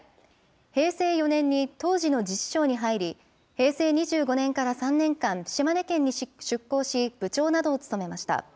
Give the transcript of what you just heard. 平成４年に当時の自治省に入り、平成２５年から３年間、島根県に出向し、部長などを務めました。